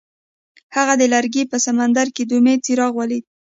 هغه د لرګی په سمندر کې د امید څراغ ولید.